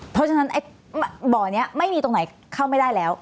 เพราะฉะนั้นไอ้บ่อนี้ไม่มีตรงไหนเข้าไม่ได้แล้ว